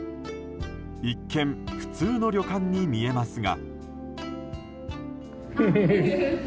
一見普通の旅館に見えますが。